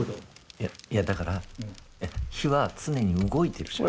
いやいやだから火は常に動いてるじゃん。